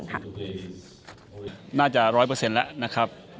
น่าจะร้อยเปอร์เซ็นต์แล้วนะครับ